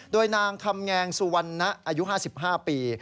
โดยนางคำแงงสุวรรณะอายุ๕๕ปี